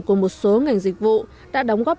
của một số ngành dịch vụ đã đóng góp